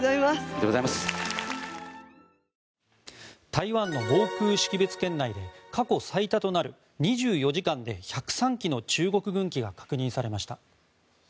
台湾の防空識別圏内で過去最多となる２４時間で１０３機の中国軍機が確認されました。